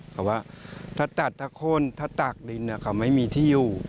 เขาว่าถ้าตัดถ้าโค้นถ้าตากดินเขาไม่มีที่อยู่